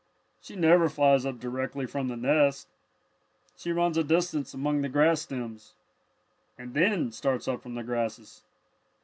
She never flies up directly from the nest. She runs a distance among the grass stems and then starts up from the grasses.